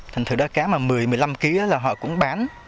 thành thử đó cá mà một mươi một mươi năm kg là họ cũng bán